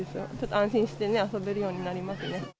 安心してね、遊べるようになりますね。